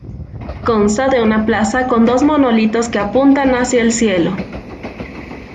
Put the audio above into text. Consta de una plaza con dos monolitos que apuntan hacia el cielo.